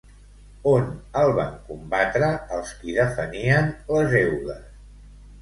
On el van combatre els qui defenien les eugues?